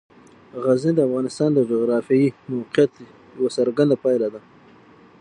غزني د افغانستان د جغرافیایي موقیعت یوه څرګنده پایله ده.